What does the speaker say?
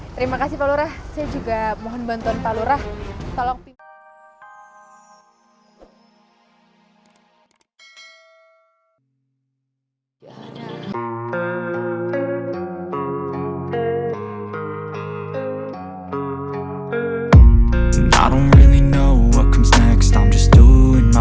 terima kasih pak lurah saya juga mohon bantuan pak lurah